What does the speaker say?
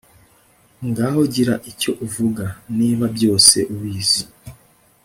ngaho gira icyo uvuga, niba byose ubizi